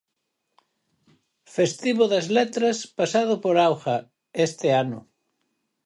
Festivo das Letras pasado por auga, este ano.